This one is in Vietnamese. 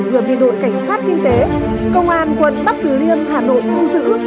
gửi về đội cảnh sát kinh tế công an quận bắc tử liên hà nội thu giữ